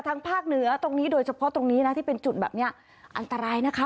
ทางภาคเหนือตรงนี้โดยเฉพาะตรงนี้นะที่เป็นจุดแบบนี้อันตรายนะคะ